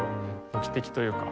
無機的というか。